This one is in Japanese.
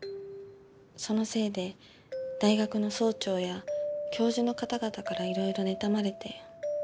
そのせいで大学の総長や教授の方々からいろいろ妬まれて。